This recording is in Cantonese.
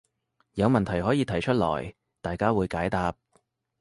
有問題可以提出來，大家會解答